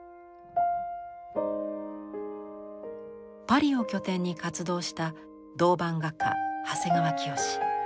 パリを拠点に活動した銅版画家長谷川潔。